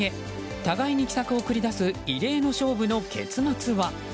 互いに奇策を繰り出す異例の勝負の結末は。